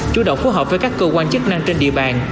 chủ động phối hợp với các cơ quan chức năng trên địa bàn